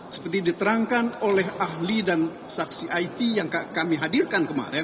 seperti diterangkan oleh ahli dan saksi it yang kami hadirkan kemarin